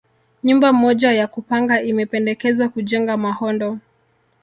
Nyumba moja ya kupanga imependekezwa kujengwa Mahondo